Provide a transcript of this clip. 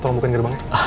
tolong buka gerbangnya